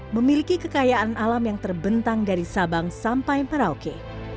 memiliki kekayaan alam yang terbentang dari sabang sampai merauke